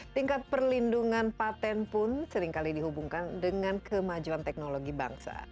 tingkat perlindungan paten pun seringkali dihubungkan dengan kemajuan teknologi bangsa